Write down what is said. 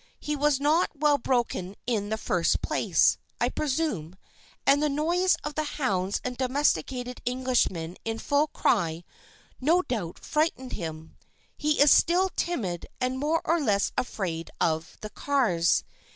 He was not well broken in the first place, I presume, and the noise of the hounds and domesticated Englishmen in full cry no doubt frightened him. He is still timid and more or less afraid of the cars.